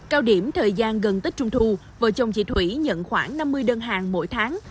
cao điểm thời gian gần tích trung thu vợ chồng chị thủy nhận khoảng năm mươi đơn hàng mỗi tháng